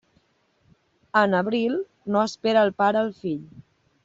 En abril, no espera el pare al fill.